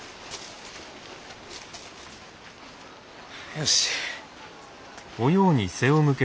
よし。